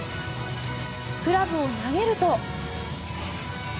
クラブを投げると。